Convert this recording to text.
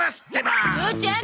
父ちゃん